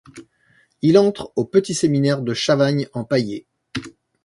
Il entre au petit séminaire de Chavagnes-en-Paillers.